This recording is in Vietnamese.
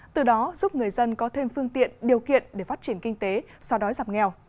từ đó giúp người dân có thêm phương tiện điều kiện để phát triển kinh tế so đói giảm nghèo